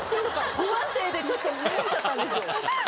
不安定でちょっと持っちゃったんですよ。